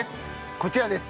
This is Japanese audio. こちらです。